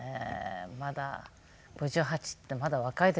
まだ５８ってまだ若いですよね。